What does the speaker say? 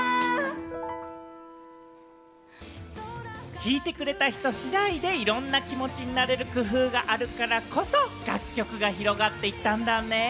聴いてくれた人次第でいろんな気持ちになれる工夫があるからこそ楽曲が広がっていったんだね。